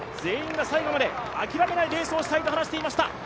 全員が最後まで諦めないレースをしたいと話していました。